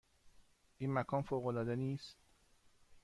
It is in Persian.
این مکان فوق العاده نیست؟